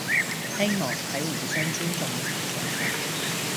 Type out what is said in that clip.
希望喺互相尊重嘅情況下